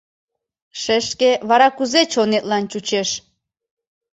Шешке, вара кузе чонетлан чучеш?